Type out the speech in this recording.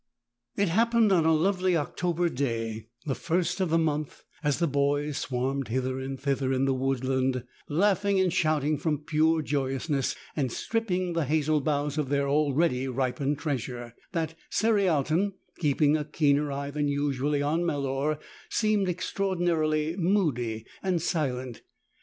It happened on a lovely October day, the first of the month, as the boys swarmed hither and thither in the wood land, laughing and shouting from pure joyousness and stripping the hazel boughs of their already ripened treasure, that Cerialton, keeping a keener eye than usual on Melor, seemed extraordinarily moody and silent.